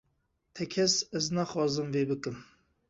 Tekez ez naxwazim vê bikim